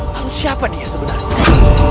lalu siapa dia sebenarnya